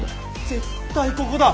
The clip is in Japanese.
絶対ここだ！